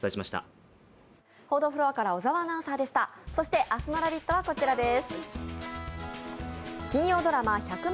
そして、明日の「ラヴィット！」はこちらです。